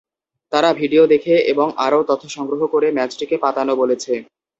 তারা ভিডিও দেখে এবং আরও তথ্য সংগ্রহ করে ম্যাচটিকে পাতানো বলেছে।